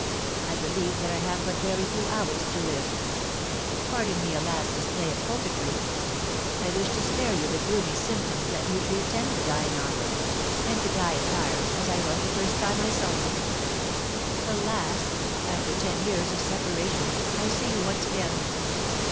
I believe that I have but very few hours to live. Pardon me a last display of coquetry! I wished to spare you the gloomy symptoms that usually attend the dying hour, and to die attired as I was the first time I saw you. Alas, after ten years of separation, I see you once again!